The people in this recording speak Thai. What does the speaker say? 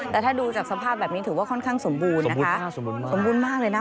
แต่ถ้าดูจากสภาพแบบนี้ถือว่าค่อนข้างสมบูรณ์นะคะสมบูรณ์มากเลยนะ